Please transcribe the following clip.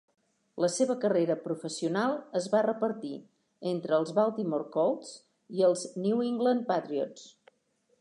La seva carrera professional es va repartir entre els Baltimore Colts i els New England Patriots.